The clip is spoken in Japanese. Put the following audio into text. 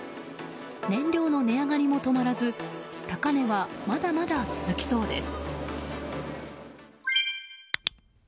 燃料の値上がりも止まらず高値はまだまだ続きそうです。